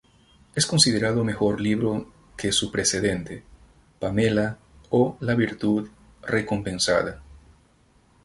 Es considerado mejor libro que su precedente, "Pamela o la virtud recompensada".